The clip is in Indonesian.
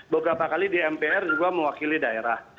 beberapa kali di mpr juga mewakili daerah